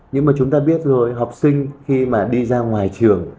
nhưng mà chúng ta biết rồi học sinh khi mà đi ra ngoài trường